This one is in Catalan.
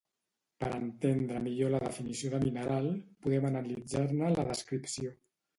Per entendre millor la definició de mineral, podem analitzar-ne la descripció